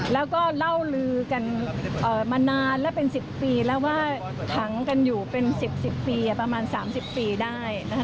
แล้วก็เล่าลือกันมานานแล้วเป็นสิบปีแล้วว่าถังกันอยู่เป็นสิบปีประมาณสามสิบปีได้นะคะ